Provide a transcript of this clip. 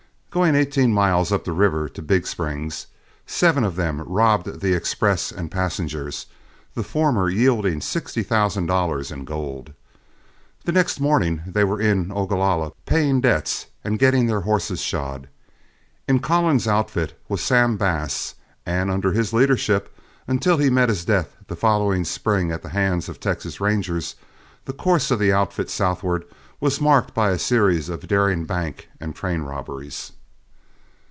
Going eighteen miles up the river to Big Springs, seven of them robbed the express and passengers, the former yielding sixty thousand dollars in gold. The next morning they were in Ogalalla, paying debts, and getting their horses shod. In Collins's outfit was Sam Bass, and under his leadership, until he met his death the following spring at the hands of Texas Rangers, the course of the outfit southward was marked by a series of daring bank and train robberies.